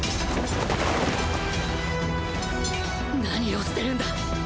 何をしてるんだ